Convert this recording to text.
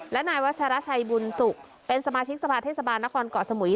และนายวัชราชัยบุญสุขเป็นสมาชิกสภาเทศบาลนครเกาะสมุย